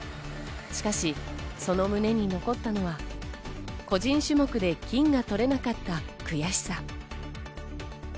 しかしその胸に残ったのは個人種目で金が取れなかった悔しさ。